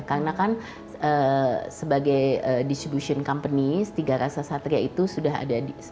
karena kan sebagai distribution company setiga rasa satria itu sudah ada di